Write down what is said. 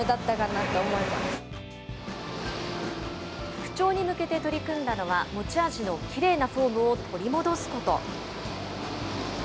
復調に向けて取り組んだのは、持ち味のきれいなフォームを取り戻すこと。